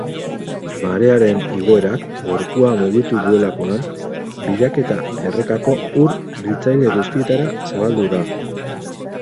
Marearen igoerak gorpua mugitu duelakoan, bilaketa errekako ur biltzaile guztietara zabaldu da.